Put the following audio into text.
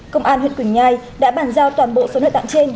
công an huyện quỳnh nhai đã bàn giao toàn bộ số nợ tạng trên